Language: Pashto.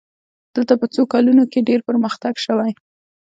دلته په څو کلونو کې ډېر پرمختګ شوی.